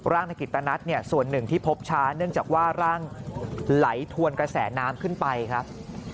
ในกิตนัทเนี่ยส่วนหนึ่งที่พบช้าเนื่องจากว่าร่างไหลทวนกระแสน้ำขึ้นไปครับ